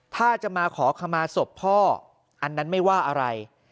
ถ้าจะมาขอขมาศพพ่ออันนั้นไม่ว่าอะไร